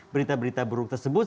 berita berita buruk tersebut